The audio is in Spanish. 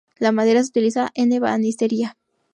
La madera se utiliza en ebanistería.